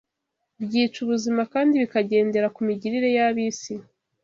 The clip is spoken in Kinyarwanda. byica ubuzima kandi bikagendera ku migirire y’ab’isi